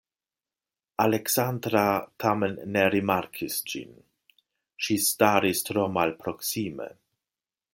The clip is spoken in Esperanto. Aleksandra tamen ne rimarkis ĝin; ŝi staris tro malproksime.